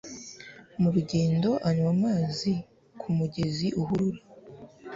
mu rugendo anywa amazi ku mugezi uhurura